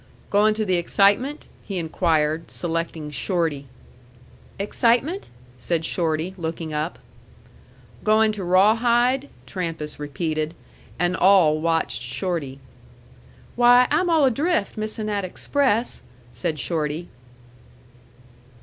"Going to the excitement?" he inquired, selecting Shorty. "Excitement?" said Shorty, looking up. "Going to Rawhide?" Trampas repeated. And all watched Shorty. "Why, I'm all adrift missin' that express," said Shorty.